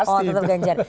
oh tetap ganjar